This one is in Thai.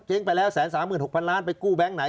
เตรียงไปแล้ว๑๓๖๐๐๐ล้านไปกู้แบงก์ไหน